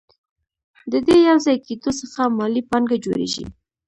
د دې یوځای کېدو څخه مالي پانګه جوړېږي